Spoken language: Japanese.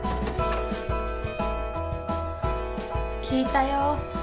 聞いたよ。